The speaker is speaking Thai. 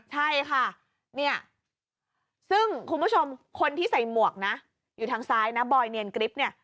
ใช่ค่ะซึ่งคุณผู้ชมคนที่ใส่หมวกอยู่ทางซ้ายบอยเนียนกริฟต์